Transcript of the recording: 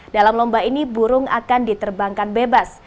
dalam lomba ini burung akan diterbangkan bebas